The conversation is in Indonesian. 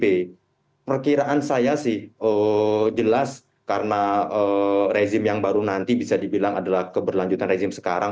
jadi perkiraan saya sih jelas karena rezim yang baru nanti bisa dibilang adalah keberlanjutan rezim sekarang